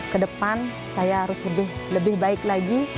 kedepan saya harus lebih baik lagi